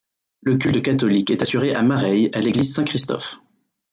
Le culte catholique est assuré à Mareil à l'église Saint-Christophe.